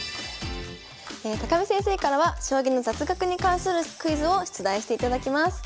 見先生からは将棋の雑学に関するクイズを出題していただきます。